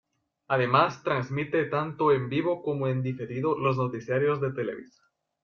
Además, transmite tanto en vivo como en diferido los noticiarios de Televisa.